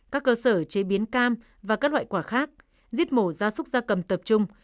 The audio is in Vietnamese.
các cơ sở chế biến cam và các loại quả khác giết mổ gia súc gia cầm tập trung